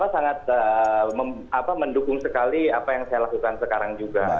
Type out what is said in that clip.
sangat mendukung sekali apa yang saya lakukan sekarang juga